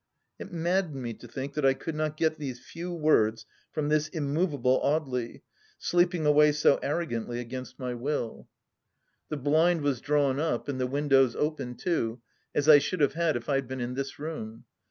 It maddened me to think that I coidd not get these few words from this immovable Audely, sleeping away so arro gantly against my will I ,,, THE LAST DITCH 137 The blind was drawn up and the windows open too, as I should have had if I had been in this room.